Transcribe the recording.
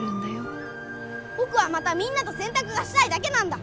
僕はまたみんなと洗濯がしたいだけなんだ！